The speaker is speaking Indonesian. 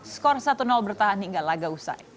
skor satu bertahan hingga laga usai